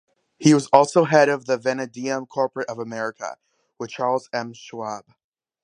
He was also head of the Vanadium Corporation of America, with Charles M. Schwab.